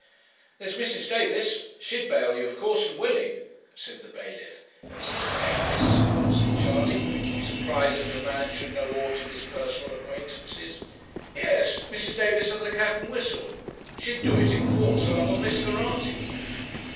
'There's Mrs. Davis, she'd bail you, of course, and willing,' said the bailiff. 'Mrs. Davis!' said Charley, surprised that the man should know aught of his personal acquaintances. 'Yes, Mrs. Davis of the 'Cat and Whistle.' She'd do it in course, along of Miss Geraghty.'